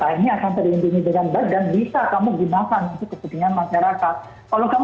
lalu dia harus beri dukungan yang ada di data rental pakai data telas tapi tidakreliem